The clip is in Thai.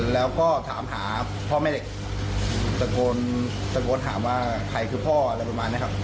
แล้วก็ถามหาพ่อแม่เด็กตะโกนตะโกนถามว่าใครคือพ่ออะไรประมาณนี้ครับ